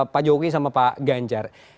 pak jokowi sama pak ganjar